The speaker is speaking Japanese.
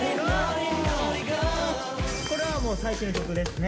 これはもう最近の曲ですね。